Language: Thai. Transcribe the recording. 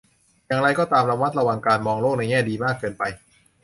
อย่างไรก็ตาม ระมัดระวังการมองโลกในแง่ดีมากเกินไป